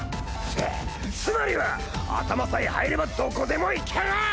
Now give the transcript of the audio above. つまりは頭さえ入ればどこでも行ける！